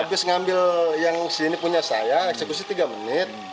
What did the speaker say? habis ngambil yang sini punya saya eksekusi tiga menit